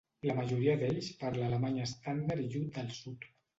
La majoria d'ells parla alemany estàndard i jut del sud.